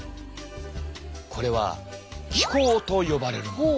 これは気孔と呼ばれるもの。